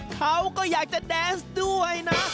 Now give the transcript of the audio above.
เขาก็อยากจะแดนส์ด้วยนะ